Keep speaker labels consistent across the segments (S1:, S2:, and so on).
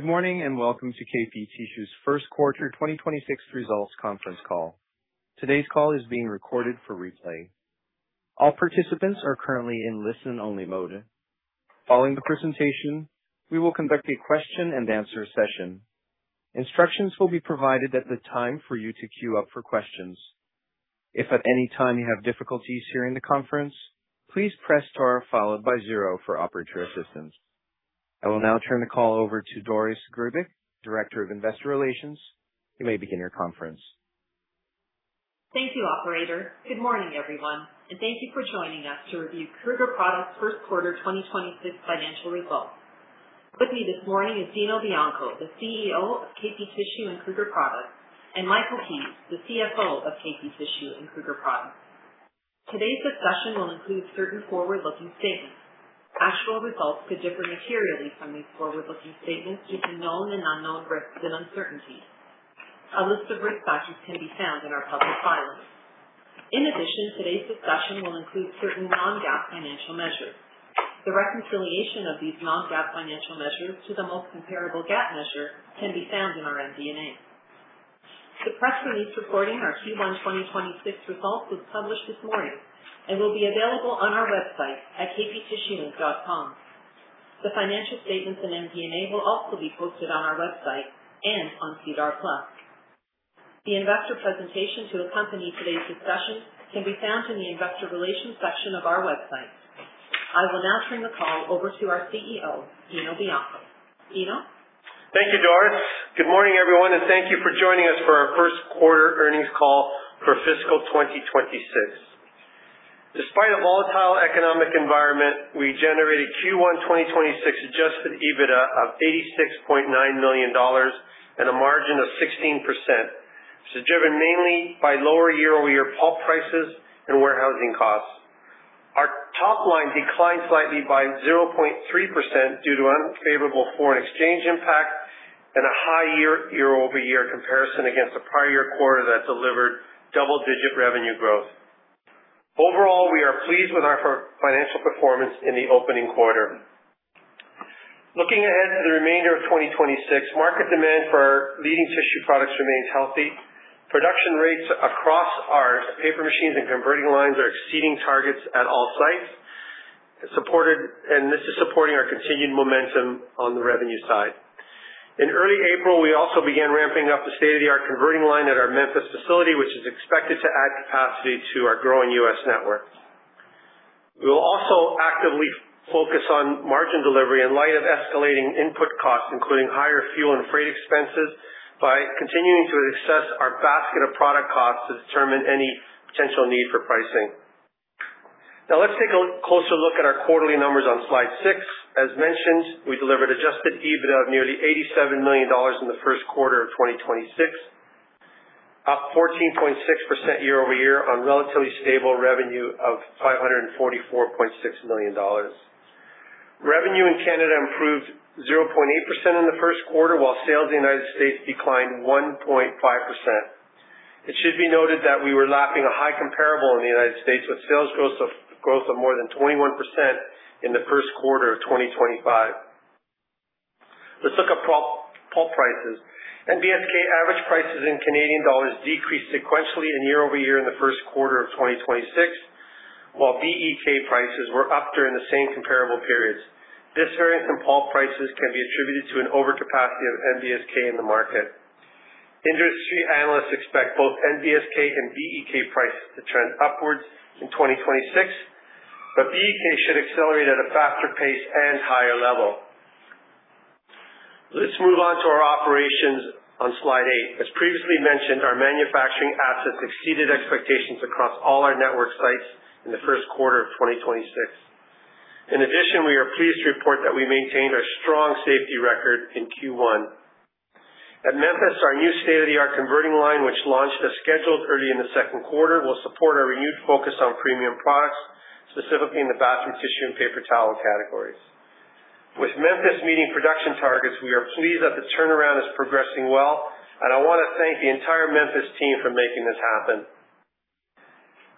S1: Good morning, welcome to KP Tissue's first quarter 2026 results conference call. Today's call is being recorded for replay. All participants are currently in listen-only mode. Following the presentation, we will conduct a question-and-answer session. Instructions will be provided at the time for you to queue up for questions. If at any time you have difficulties hearing the conference, please press star followed by zero for operator assistance. I will now turn the call over to Doris Grbic, Director of Investor Relations. You may begin your conference.
S2: Thank you, operator. Good morning, everyone, and thank you for joining us to review Kruger Products' first quarter 2026 financial results. With me this morning is Dino Bianco, the CEO of KP Tissue and Kruger Products, and Michael Keays, the CFO of KP Tissue and Kruger Products. Today's discussion will include certain forward-looking statements. Actual results could differ materially from these forward-looking statements due to known and unknown risks and uncertainties. A list of risk factors can be found in our public filings. In addition, today's discussion will include certain non-GAAP financial measures. The reconciliation of these non-GAAP financial measures to the most comparable GAAP measure can be found in our MD&A. The press release reporting our Q1 2026 results was published this morning and will be available on our website at kptissue.com. The financial statements in MD&A will also be posted on our website and on SEDAR+. The investor presentation to accompany today's discussion can be found in the investor relations section of our website. I will now turn the call over to our CEO, Dino Bianco. Dino.
S3: Thank you, Doris. Good morning, everyone, and thank you for joining us for our first quarter earnings call for fiscal 2026. Despite a volatile economic environment, we generated Q1 2026 adjusted EBITDA of 86.9 million dollars and a margin of 16%. This is driven mainly by lower year-over-year pulp prices and warehousing costs. Our top line declined slightly by 0.3% due to unfavorable foreign exchange impact and a high year-over-year comparison against the prior year quarter that delivered double-digit revenue growth. Overall, we are pleased with our financial performance in the opening quarter. Looking ahead to the remainder of 2026, market demand for our leading tissue products remains healthy. Production rates across our paper machines and converting lines are exceeding targets at all sites, and this is supporting our continued momentum on the revenue side. In early April, we also began ramping up a state-of-the-art converting line at our Memphis facility, which is expected to add capacity to our growing U.S. network. We will also actively focus on margin delivery in light of escalating input costs, including higher fuel and freight expenses, by continuing to assess our basket of product costs to determine any potential need for pricing. Now let's take a closer look at our quarterly numbers on slide six. As mentioned, we delivered adjusted EBITDA of nearly 87 million dollars in the first quarter of 2026, up 14.6% year-over-year on relatively stable revenue of 544.6 million dollars. Revenue in Canada improved 0.8% in the first quarter, while sales in the United States declined 1.5%. It should be noted that we were lapping a high comparable in the U.S., with sales growth of more than 21% in the first quarter of 2025. Let's look at pulp prices. NBSK average prices in Canadian dollars decreased sequentially and year-over-year in the first quarter of 2026, while BEK prices were up during the same comparable periods. This variance in pulp prices can be attributed to an overcapacity of NBSK in the market. Industry analysts expect both NBSK and BEK prices to trend upwards in 2026, but BEK should accelerate at a faster pace and higher level. Let's move on to our operations on slide eight. As previously mentioned, our manufacturing assets exceeded expectations across all our network sites in the first quarter of 2026. In addition, we are pleased to report that we maintained our strong safety record in Q1. At Memphis, our new state-of-the-art converting line, which launched as scheduled early in the second quarter, will support our renewed focus on premium products, specifically in the bathroom tissue and paper towel categories. With Memphis meeting production targets, we are pleased that the turnaround is progressing well, and I wanna thank the entire Memphis team for making this happen.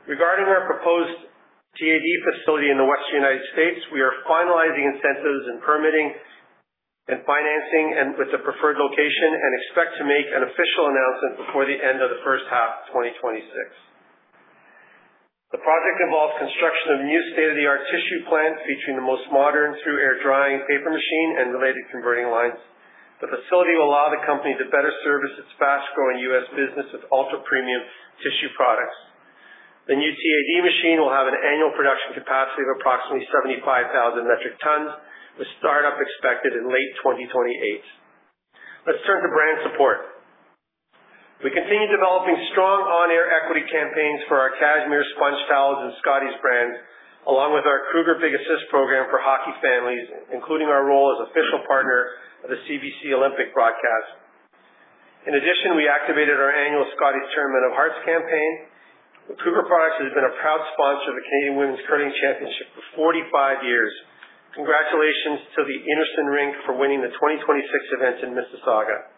S3: Regarding our proposed TAD facility in the western U.S., we are finalizing incentives and permitting and financing with the preferred location and expect to make an official announcement before the end of the first half of 2026. The project involves construction of a new state-of-the-art tissue plant featuring the most modern Through-Air Drying paper machine and related converting lines. The facility will allow the company to better service its fast-growing U.S. business with ultra-premium tissue products. The new TAD machine will have an annual production capacity of approximately 75,000 metric tons, with startup expected in late 2028. Let's turn to brand support. We continue developing strong on-air equity campaigns for our Cashmere SpongeTowels and Scotties brands, along with our Kruger Big Assist program for hockey families, including our role as official partner of the CBC Olympic broadcast. In addition, we activated our annual Scotties Tournament of Hearts campaign. Kruger Products has been a proud sponsor of the Canadian Women's Curling Championship for 45 years. Congratulations to the Innisfree rink for winning the 2026 events in Mississauga.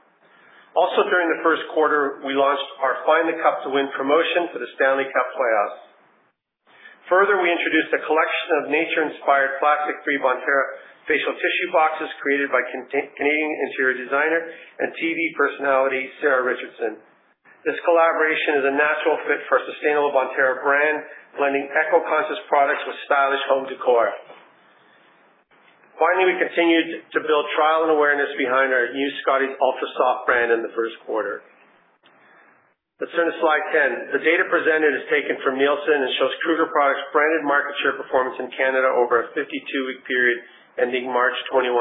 S3: During the first quarter, we launched our Find the Cup to Win promotion for the Stanley Cup playoffs. We introduced a collection of nature-inspired plastic-free Bonterra facial tissue boxes created by Canadian interior designer and TV personality, Sarah Richardson. This collaboration is a natural fit for a sustainable Bonterra brand, blending eco conscious products with stylish home decor. We continued to build trial and awareness behind our new Scotties Ultra Soft brand in the first quarter. Let's turn to slide 10. The data presented is taken from Nielsen and shows Kruger Products branded market share performance in Canada over a 52-week period ending March 21,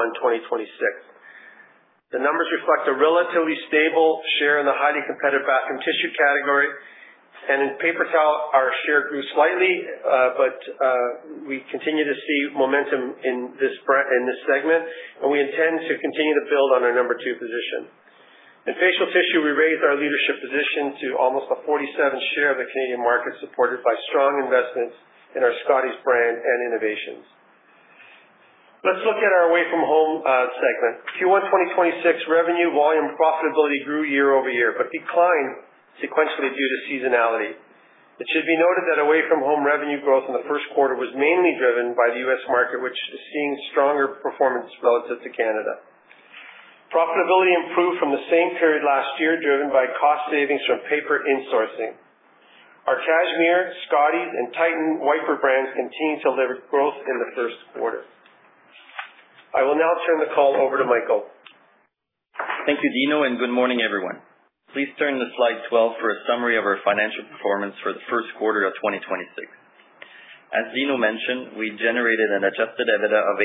S3: 2026. The numbers reflect a relatively stable share in the highly competitive bathroom tissue category. In paper towel, our share grew slightly, but we continue to see momentum in this segment, and we intend to continue to build on our number two position. In facial tissue, we raised our leadership position to almost a 47% share of the Canadian market, supported by strong investments in our Scotties brand and innovations. Let's look at our Away-From-Home segment. Q1 2026 revenue volume profitability grew year-over-year but declined sequentially due to seasonality. It should be noted that Away-From-Home revenue growth in the first quarter was mainly driven by the U.S. market, which is seeing stronger performance relative to Canada. Profitability improved from the same period last year, driven by cost savings from paper insourcing. Our Cashmere, Scotties, and Titan wiper brands continued to deliver growth in the first quarter. I will now turn the call over to Michael.
S4: Thank you, Dino, and good morning, everyone. Please turn to slide 12 for a summary of our financial performance for the first quarter of 2026. As Dino mentioned, we generated an adjusted EBITDA of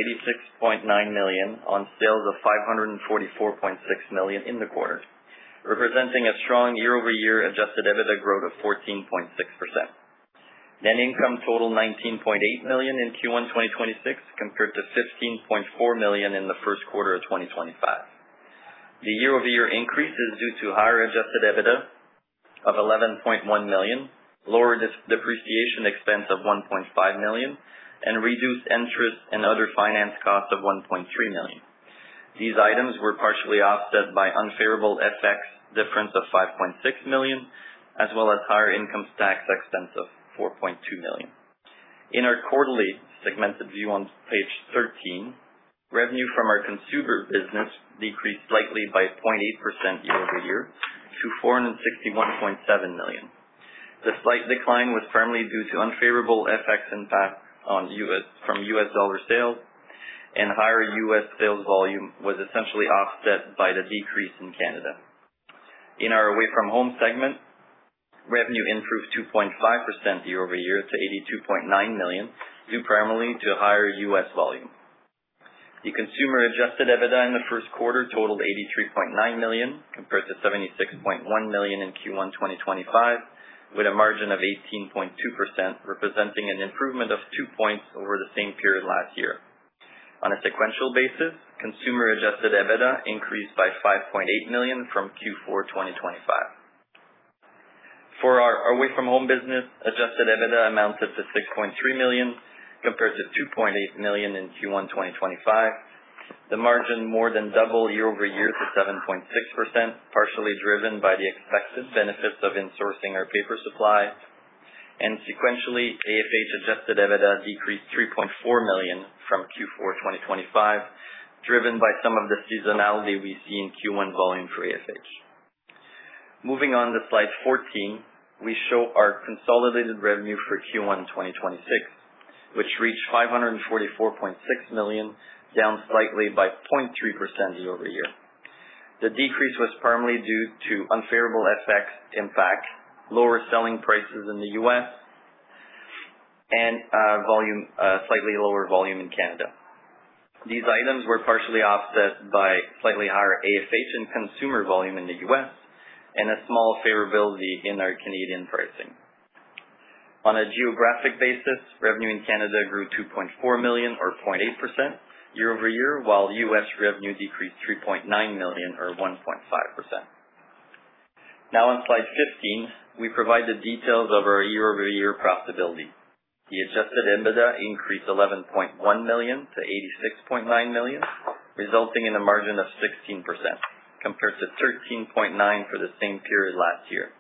S4: 86.9 million on sales of 544.6 million in the quarter, representing a strong year-over-year adjusted EBITDA growth of 14.6%. Net income totaled 19.8 million in Q1 2026, compared to 15.4 million in the first quarter of 2025. The year-over-year increase is due to higher adjusted EBITDA of 11.1 million, lower depreciation expense of 1.5 million, and reduced interest and other finance costs of 1.3 million. These items were partially offset by unfavorable FX difference of 5.6 million, as well as higher income tax expense of 4.2 million. In our quarterly segmented view on page 13, revenue from our Consumer business decreased slightly by 0.8% year-over-year to 461.7 million. The slight decline was primarily due to unfavorable FX impact from U.S. dollar sales, and higher U.S. sales volume was essentially offset by the decrease in Canada. In our Away-From-Home segment, revenue improved 2.5% year-over-year to 82.9 million, due primarily to higher U.S. volume. The Consumer-adjusted EBITDA in the first quarter totaled 83.9 million, compared to 76.1 million in Q1 2025, with a margin of 18.2%, representing an improvement of 2 points over the same period last year. On a sequential basis, Consumer-adjusted EBITDA increased by 5.8 million from Q4 2025. For our Away-From-Home business, adjusted EBITDA amounted to 6.3 million, compared to 2.8 million in Q1 2025. The margin more than doubled year-over-year to 7.6%, partially driven by the expected benefits of insourcing our paper supply. Sequentially, AFH-adjusted EBITDA decreased 3.4 million from Q4 2025, driven by some of the seasonality we see in Q1 volume for AFH. Moving on to slide 14, we show our consolidated revenue for Q1 2026, which reached 544.6 million, down slightly by 0.3% year-over-year. The decrease was primarily due to unfavorable FX impact, lower selling prices in the U.S., and slightly lower volume in Canada. These items were partially offset by slightly higher AFH and Consumer volume in the U.S. and a small favorability in our Canadian pricing. On a geographic basis, revenue in Canada grew 2.4 million or 0.8% year-over-year, while U.S. revenue decreased 3.9 million or 1.5%. Now on slide 15, we provide the details of our year-over-year profitability. The adjusted EBITDA increased 11.1 million to 86.9 million, resulting in a margin of 16% compared to 13.9% for the same period last year.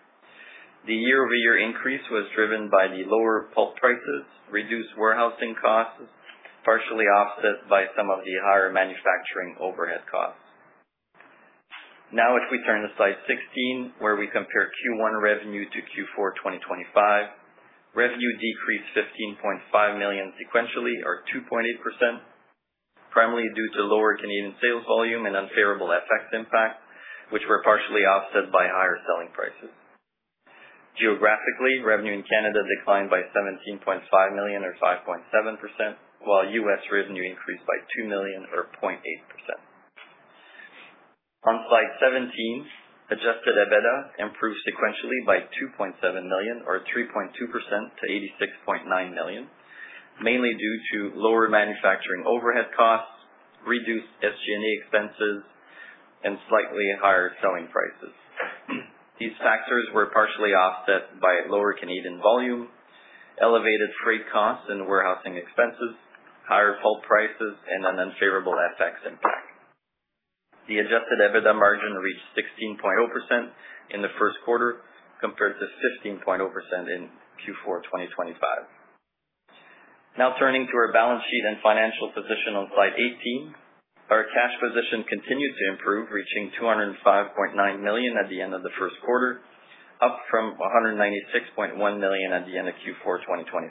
S4: The year-over-year increase was driven by the lower pulp prices, reduced warehousing costs, partially offset by some of the higher manufacturing overhead costs. If we turn to slide 16, where we compare Q1 revenue to Q4 2025, revenue decreased 15.5 million sequentially or 2.8%, primarily due to lower Canadian sales volume and unfavorable FX impact, which were partially offset by higher selling prices. Geographically, revenue in Canada declined by 17.5 million or 5.7%, while U.S. revenue increased by 2 million or 0.8%. On slide 17, adjusted EBITDA improved sequentially by 2.7 million or 3.2% to 86.9 million, mainly due to lower manufacturing overhead costs, reduced SG&A expenses, and slightly higher selling prices. These factors were partially offset by lower Canadian volume, elevated freight costs and warehousing expenses, higher pulp prices, and an unfavorable FX impact. The adjusted EBITDA margin reached 16.0% in the first quarter compared to 15.0% in Q4 2025. Turning to our balance sheet and financial position on slide 18. Our cash position continued to improve, reaching 205.9 million at the end of the first quarter, up from 196.1 million at the end of Q4 2025.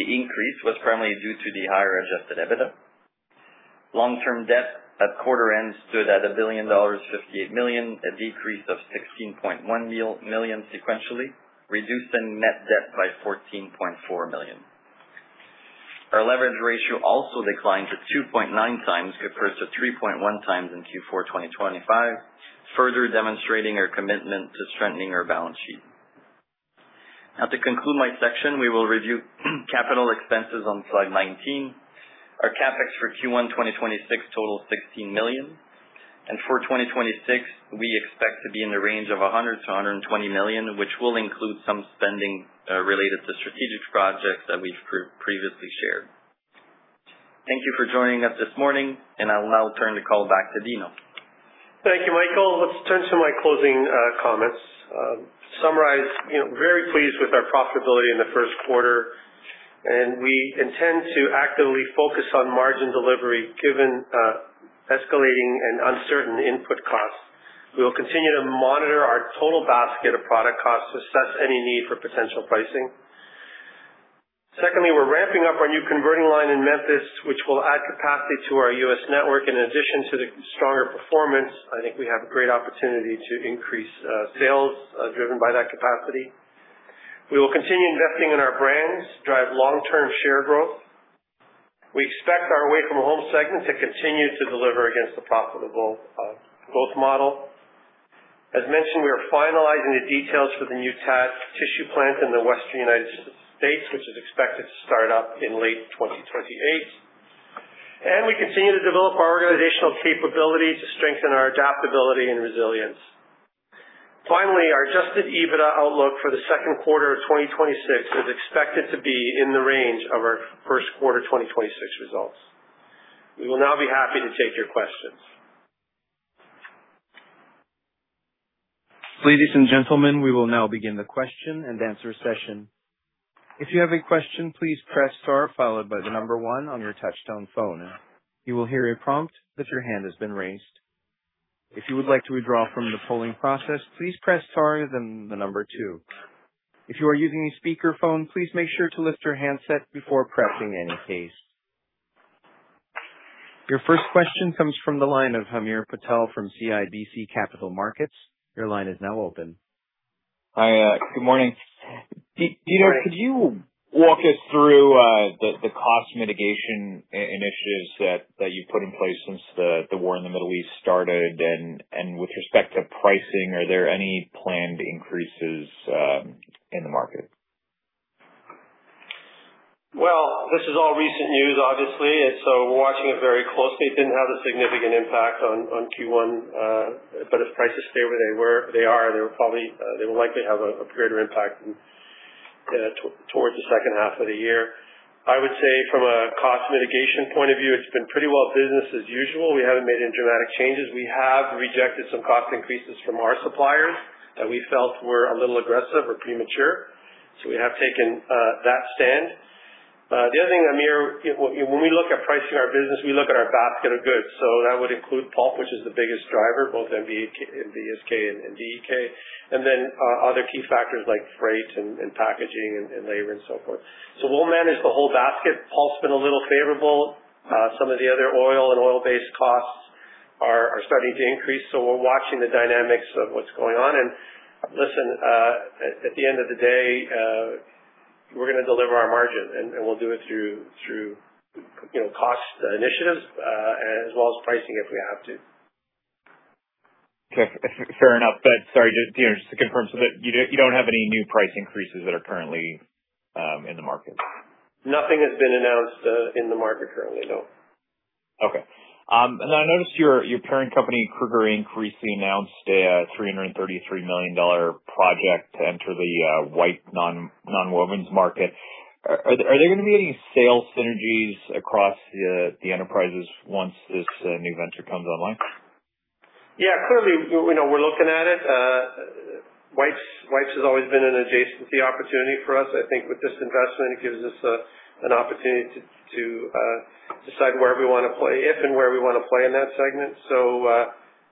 S4: The increase was primarily due to the higher adjusted EBITDA. Long-term debt at quarter end stood at 1.058 billion dollars, a decrease of 16.1 million sequentially, reducing net debt by 14.4 million. Our leverage ratio also declined to 2.9x compared to 3.1x in Q4 2025, further demonstrating our commitment to strengthening our balance sheet. To conclude my section, we will review capital expenses on slide 19. Our CapEx for Q1 2026 totals 16 million, and for 2026 we expect to be in the range of 100 million to 120 million, which will include some spending related to strategic projects that we've previously shared. Thank you for joining us this morning, and I will now turn the call back to Dino.
S3: Thank you, Michael. Let's turn to my closing comments. To summarize, you know, very pleased with our profitability in the first quarter, we intend to actively focus on margin delivery given escalating and uncertain input costs. We will continue to monitor our total basket of product costs to assess any need for potential pricing. Secondly, we're ramping up our new converting line in Memphis, which will add capacity to our U.S. network. In addition to the stronger performance, I think we have a great opportunity to increase sales driven by that capacity. We will continue investing in our brands to drive long-term share growth. We expect our Away-From-Home segment to continue to deliver against the profitable growth model. As mentioned, we are finalizing the details for the new TAD tissue plant in the western U.S., which is expected to start up in late 2028. We continue to develop our organizational capability to strengthen our adaptability and resilience. Finally, our adjusted EBITDA outlook for the second quarter of 2026 is expected to be in the range of our first quarter 2026 results. We will now be happy to take your questions.
S1: Your first question comes from the line of Hamir Patel from CIBC Capital Markets. Your line is now open.
S5: Hi, good morning.
S3: Good morning.
S5: Dino, could you walk us through the cost mitigation initiatives that you've put in place since the war in the Middle East started? With respect to pricing, are there any planned increases in the market?
S3: This is all recent news, obviously, we're watching it very closely. It didn't have a significant impact on Q1, but if prices stay where they are, they will probably, they will likely have a greater impact towards the second half of the year. I would say from a cost mitigation point of view, it's been pretty well business as usual. We haven't made any dramatic changes. We have rejected some cost increases from our suppliers that we felt were a little aggressive or premature, so we have taken that stand. The other thing, Hamir, when we look at pricing our business, we look at our basket of goods. That would include pulp, which is the biggest driver, both NBSK and BEK, and then other key factors like freight and packaging and labor and so forth. We'll manage the whole basket. Pulp's been a little favorable. Some of the other oil and oil-based costs are starting to increase, so we're watching the dynamics of what's going on. Listen, at the end of the day, we're gonna deliver our margin and we'll do it through, you know, cost initiatives, as well as pricing if we have to.
S5: Okay. Fair enough. Sorry, just, Dino, just to confirm, you don't have any new price increases that are currently in the market?
S3: Nothing has been announced, in the market currently, no.
S5: Okay. I noticed your parent company, Kruger Inc, announced a 333 million dollar project to enter the wipes nonwovens market. Are there gonna be any sales synergies across the enterprises once this new venture comes online?
S3: Yeah. Clearly, you know, we're looking at it. Wipes has always been an adjacency opportunity for us. I think with this investment it gives us an opportunity to decide where we wanna play, if and where we wanna play in that segment.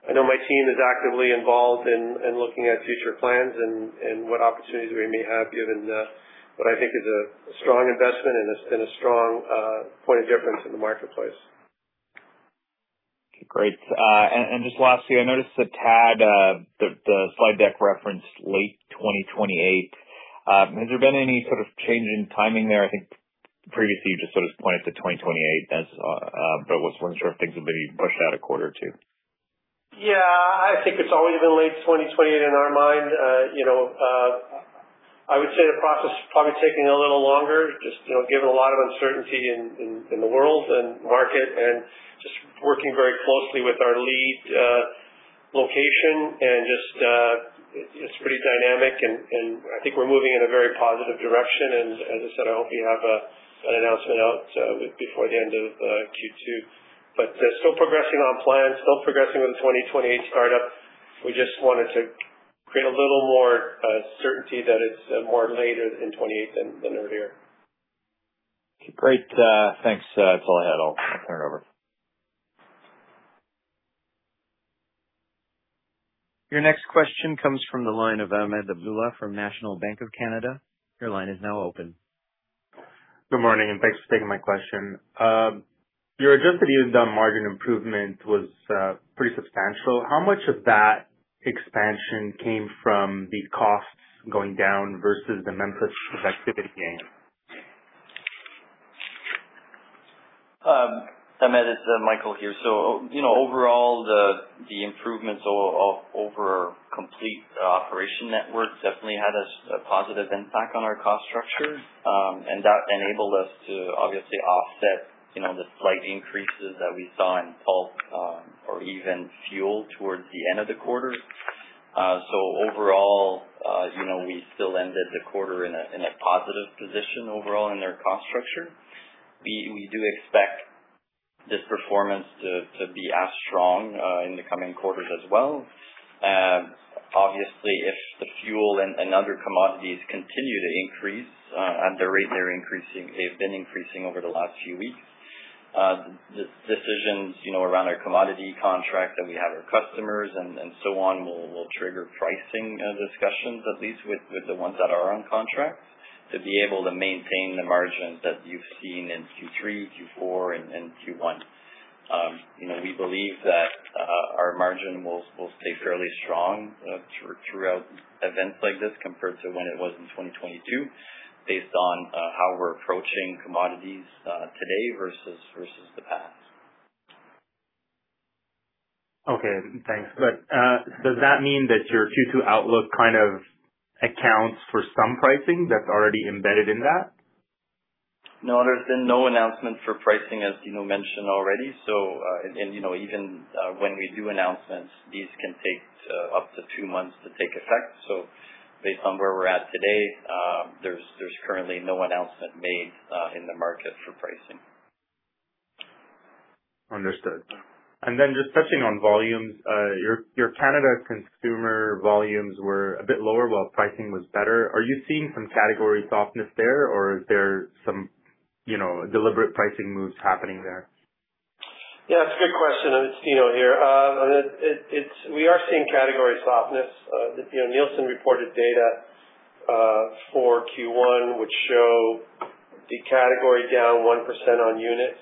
S3: I know my team is actively involved in looking at future plans and what opportunities we may have given what I think is a strong investment and a strong point of difference in the marketplace.
S5: Okay. Great. And just lastly, I noticed the TAD, the slide deck referenced late 2028. Has there been any sort of change in timing there? I think previously you just sort of pointed to 2028 as, I just wasn't sure if things have been pushed out a quarter or two.
S3: Yeah. I think it's always been late 2028 in our mind. I would say the process is probably taking a little longer just, you know, given a lot of uncertainty in the world and market and just working very closely with our lead location and it's pretty dynamic and I think we're moving in a very positive direction. As I said, I hope we have an announcement out before the end of Q2. Still progressing on plan, still progressing with the 2028 startup. We just wanted to create a little more certainty that it's more later in 2028 than earlier.
S5: Great. Thanks. That's all I had. I'll turn it over.
S1: Your next question comes from the line of Ahmed Abdullah from National Bank of Canada. Your line is now open.
S6: Good morning, and thanks for taking my question. Your adjusted EBITDA margin improvement was pretty substantial. How much of that expansion came from the costs going down versus the Memphis productivity gain?
S4: Ahmed, it's Michael here. You know, overall, the improvements over complete operation network definitely had a positive impact on our cost structure. That enabled us to obviously offset, you know, the slight increases that we saw in pulp or even fuel towards the end of the quarter. Overall, you know, we still ended the quarter in a positive position overall in their cost structure. We do expect this performance to be as strong in the coming quarters as well. Obviously, if the fuel and other commodities continue to increase at the rate they've been increasing over the last few weeks, this decisions, you know, around our commodity contract that we have with customers and so on will trigger pricing discussions, at least with the ones that are on contract to be able to maintain the margins that you've seen in Q3, Q4, and Q1. You know, we believe that our margin will stay fairly strong throughout events like this compared to when it was in 2022 based on how we're approaching commodities today versus the past.
S6: Okay. Thanks. Does that mean that your Q2 outlook kind of accounts for some pricing that's already embedded in that?
S4: No, there's been no announcement for pricing, as Dino mentioned already. You know, even when we do announcements, these can take up to two months to take effect. Based on where we're at today, there's currently no announcement made in the market for pricing.
S6: Understood. Just touching on volumes, your Canada Consumer volumes were a bit lower while pricing was better. Are you seeing some category softness there, or is there some, you know, deliberate pricing moves happening there?
S3: Yeah, it's a good question. It's Dino here. We are seeing category softness. You know, Nielsen reported data for Q1, which show the category down 1% on units.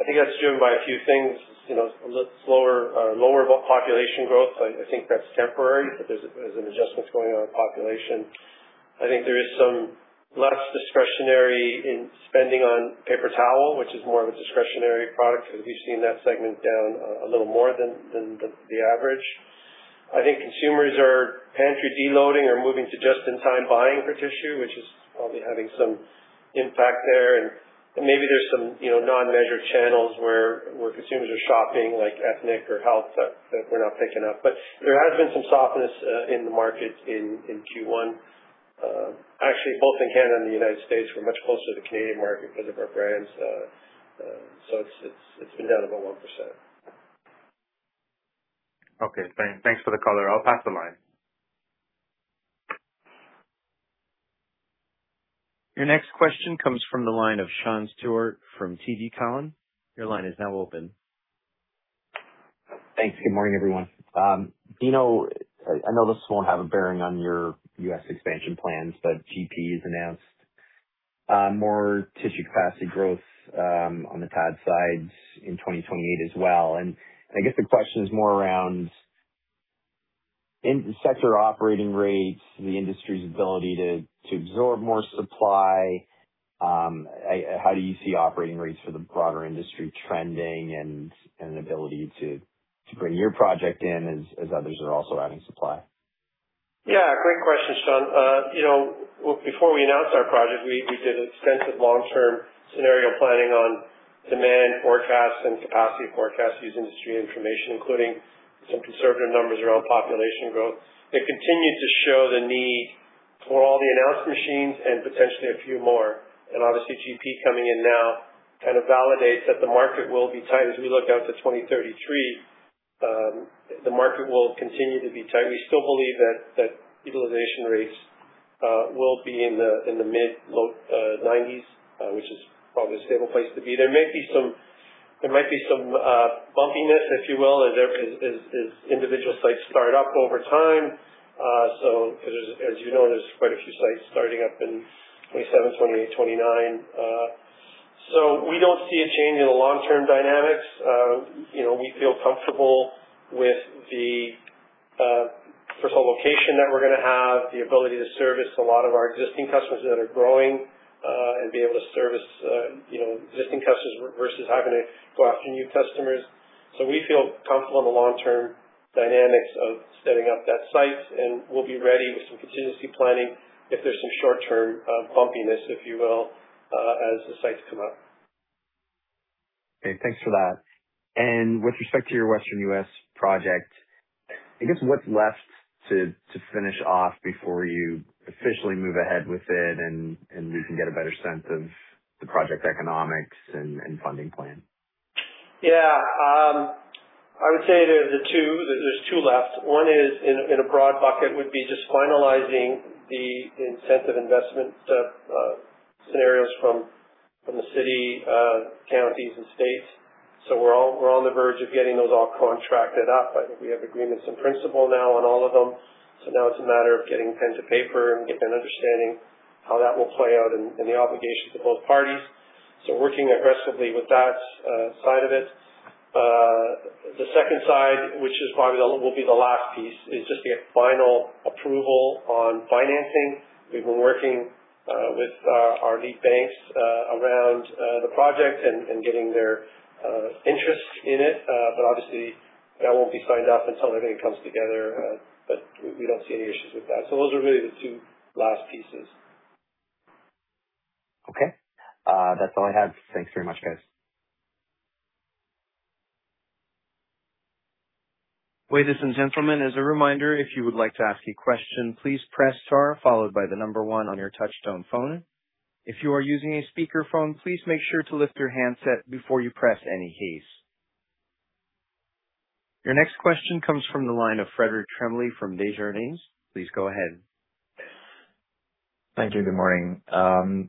S3: I think that's driven by a few things, you know, a little slower, lower population growth. I think that's temporary, there's an adjustment going on in population. I think there is some less discretionary in spending on paper towel, which is more of a discretionary product. We've seen that segment down a little more than the average. I think consumers are pantry de-loading or moving to just-in-time buying for tissue, which is probably having some impact there. Maybe there's some, you know, non-measured channels where consumers are shopping, like ethnic or health that we're not picking up. There has been some softness in the market in Q1. Actually, both in Canada and the United States, we're much closer to the Canadian market because of our brands. It's been down about 1%.
S6: Okay. Thanks for the color. I'll pass the line.
S1: Your next question comes from the line of Sean Steuart from TD Cowen. Your line is now open.
S7: Thanks. Good morning, everyone. Dino, I know this won't have a bearing on your U.S. expansion plans. GP has announced, more tissue capacity growth, on the TAD side in 2028 as well. I guess the question is more around in sector operating rates, the industry's ability to absorb more supply. How do you see operating rates for the broader industry trending and ability to bring your project in as others are also adding supply?
S3: Yeah. Great question, Sean. You know, before we announced our project, we did extensive long-term scenario planning on demand forecasts and capacity forecasts to use industry information, including some conservative numbers around population growth. It continued to show the need for all the announced machines and potentially a few more. Obviously, GP coming in now kind of validates that the market will be tight. As we look out to 2033, the market will continue to be tight. We still believe that utilization rates will be in the mid-low 90s, which is probably a stable place to be. There might be some bumpiness, if you will, as individual sites start up over time. As you know, there's quite a few sites starting up in 2027, 2028, 2029. We don't see a change in the long-term dynamics. You know, we feel comfortable with the first of all, location that we're gonna have, the ability to service a lot of our existing customers that are growing, and be able to service, you know, existing customers versus having to go after new customers. We feel comfortable in the long-term dynamics of setting up that site, and we'll be ready with some contingency planning if there's some short-term bumpiness, if you will, as the sites come up.
S7: Okay, thanks for that. With respect to your Western U.S. project, I guess what's left to finish off before you officially move ahead with it and we can get a better sense of the project economics and funding plan?
S3: I would say there's the two. There's two left. One is in a broad bucket, would be just finalizing the incentive investment stuff, scenarios from the city, counties and states. We're on the verge of getting those all contracted up. I think we have agreements in principle now on all of them. Now it's a matter of getting pen to paper and get an understanding how that will play out and the obligations of both parties. Working aggressively with that side of it. The second side, which is probably will be the last piece, is just the final approval on financing. We've been working with our lead banks around the project and getting their interest in it. Obviously, that won't be signed up until everything comes together, but we don't see any issues with that. Those are really the two last pieces.
S7: That's all I had. Thanks very much, guys.
S1: Ladies and gentlemen, as a reminder, if you would like to ask a question, please press star followed by one on your touch-tone phone. If you are using a speakerphone, please make sure to lift your handset before you press any keys. Your next question comes from the line of Frederic Tremblay from Desjardins. Please go ahead.
S8: Thank you. Good morning.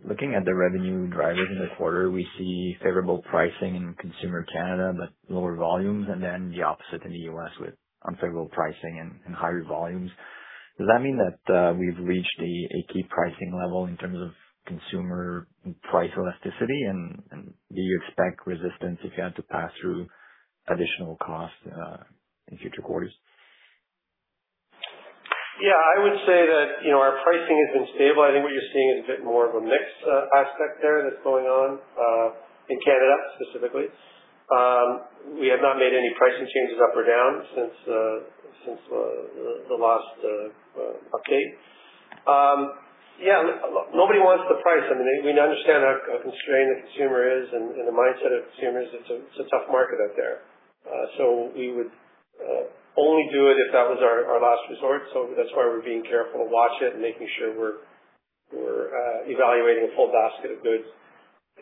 S8: Looking at the revenue drivers in the quarter, we see favorable pricing in consumer Canada, but lower volumes, and then the opposite in the U.S. with unfavorable pricing and higher volumes. Does that mean that we've reached a key pricing level in terms of consumer price elasticity? Do you expect resistance if you had to pass through additional costs in future quarters?
S3: Yeah, I would say that, you know, our pricing has been stable. I think what you're seeing is a bit more of a mix aspect there that's going on in Canada specifically. We have not made any pricing changes up or down since since the last update. Yeah, nobody wants the price. I mean, we understand how constrained the consumer is and the mindset of consumers. It's a tough market out there. We would only do it if that was our last resort. That's why we're being careful to watch it and making sure we're evaluating a full basket of goods.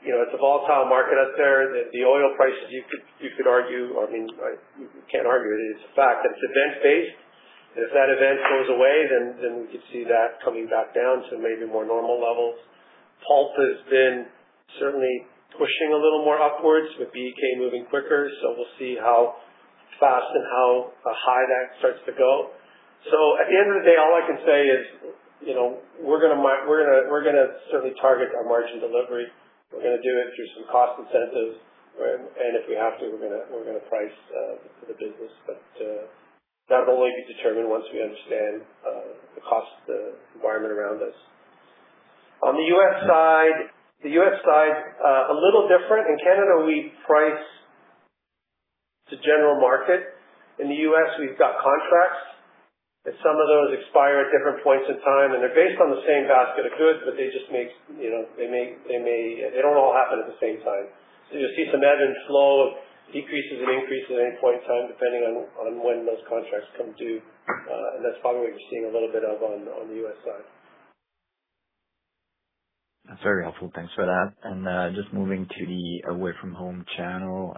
S3: You know, it's a volatile market out there, the oil prices you could argue I mean, I can't argue, it is fact. It's event based. If that event goes away, then we could see that coming back down to maybe more normal levels. Pulp has been certainly pushing a little more upwards with BEK moving quicker, so we'll see how fast and how high that starts to go. At the end of the day, all I can say is, you know, we're gonna certainly target our margin delivery. We're gonna do it through some cost incentives, right? If we have to, we're gonna price for the business. That will only be determined once we understand the cost environment around us. On the U.S. side, the U.S. side, a little different. In Canada, we price to general market. In the U.S., we've got contracts. Some of those expire at different points in time. They're based on the same basket of goods, but they just make, you know, they don't all happen at the same time. You'll see some ebb and flow of decreases and increases at any point in time, depending on when those contracts come due. That's probably what you're seeing a little bit of on the U.S. side.
S8: That's very helpful. Thanks for that. Just moving to the Away-From-Home channel,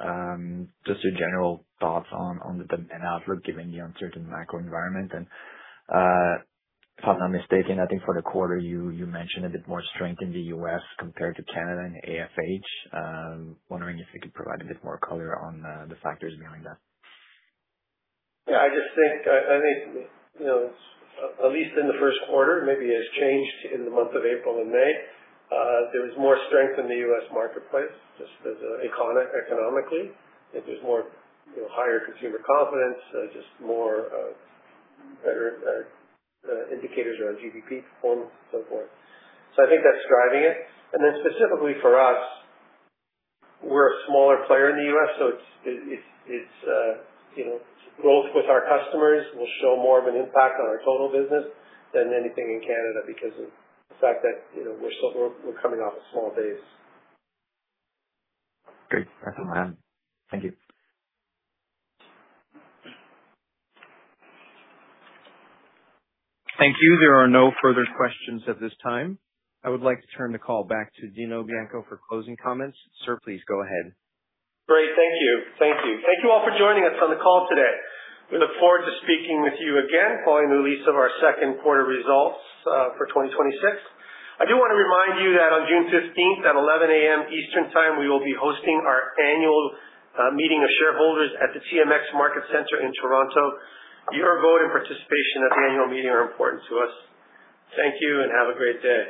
S8: just your general thoughts on the demand outlook given the uncertain macro environment. If I'm not mistaken, I think for the quarter you mentioned a bit more strength in the U.S. compared to Canada and AFH. Wondering if you could provide a bit more color on the factors behind that.
S3: I just think, you know, at least in the first quarter, maybe it has changed in the month of April and May, there was more strength in the U.S. marketplace just as economically. I think there's more, you know, higher consumer confidence, just more, better indicators around GDP performance and so forth. I think that's driving it. Specifically, for us, we're a smaller player in the U.S., so it's, you know, growth with our customers will show more of an impact on our total business than anything in Canada because of the fact that, you know, we're still coming off a small base.
S8: Great. That's all I had. Thank you.
S1: Thank you. There are no further questions at this time. I would like to turn the call back to Dino Bianco for closing comments. Sir, please go ahead.
S3: Great. Thank you. Thank you. Thank you all for joining us on the call today. We look forward to speaking with you again following the release of our second quarter results for 2026. I do wanna remind you that on June 15th at 11:00 A.M. Eastern Time, we will be hosting our annual meeting of shareholders at the TMX Market Centre in Toronto. Your vote and participation at the annual meeting are important to us. Thank you, and have a great day.